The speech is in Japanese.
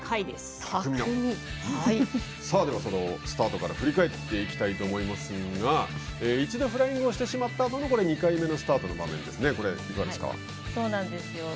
では、そのスタートから振り返っていきたいと思いますが一度フライングをしてしまって２回目のスタートの場面ですね。